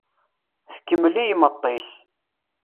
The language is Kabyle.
Tkemmel i yimeṭṭi-s.